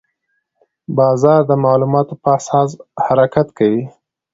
بازار د معلوماتو په اساس حرکت کوي.